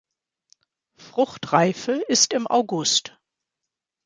Fruchtreife ist im August.